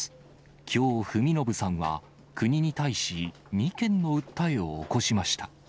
きょう文信さんは、国に対し、２件の訴えを起こしました。